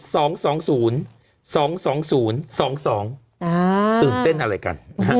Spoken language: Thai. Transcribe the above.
ตื่นเต้นอะไรกัน